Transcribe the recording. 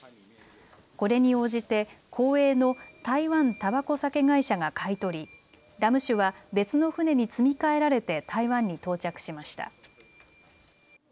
これに応じて公営の台湾タバコ酒会社が買い取りラム酒は別の船に積み替えられて台湾に到着しました。